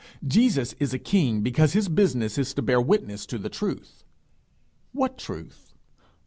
Jesus is a king because his business is to bear witness to the truth. What truth?